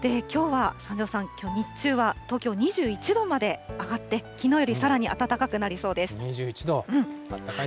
きょうは三條さん、きょう日中は東京２１度まで上がって、きのうよりさらに暖かくなりそうです。